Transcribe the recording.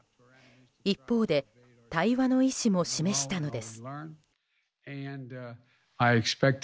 一方で対話の意思も示したのです。